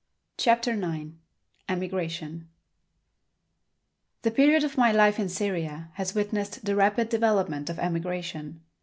CHAPTER IX EMIGRATION The period of my life in Syria has witnessed the rapid development of emigration.